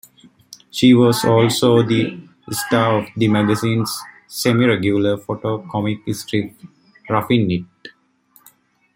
She was also the star of the magazine's semi-regular photo comic strip "Ruffing It".